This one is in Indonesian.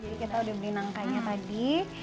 jadi kita sudah beli nangkanya tadi